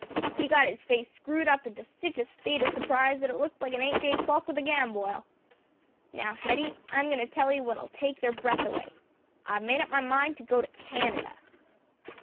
He'd got 'is face screwed up into sitch a state o' surprise that it looked like a eight day clock with a gamboil. Now, Hetty, I'm goin' to tell 'ee what'll take your breath away. I've made up my mind to go to Canada!"